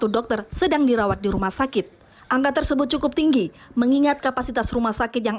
dokter sedang dirawat di rumah sakit angka tersebut cukup tinggi mengingat kapasitas rumah sakit yang